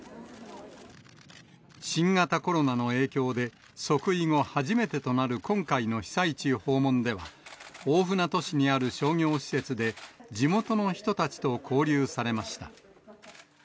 新型コロナの影響で、即位後初めてとなる今回の被災地訪問では、大船渡市にある商業施設で、地元の人たちと交流されました。